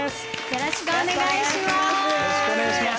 よろしくお願いします。